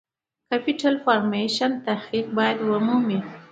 د Capital Formation تحقق باید ومومي.